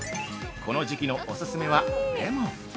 この時季のおすすめはレモン。